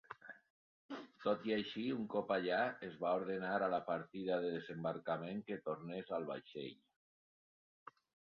Tot i així, un cop allà, es va ordenar a la partida de desembarcament que tornés al vaixell.